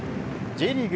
Ｊリーグ